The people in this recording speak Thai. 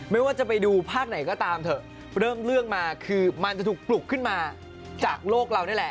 ไม่ว่าจะไปดูภาคไหนก็ตามเถอะเริ่มเรื่องมาคือมันจะถูกปลุกขึ้นมาจากโลกเรานี่แหละ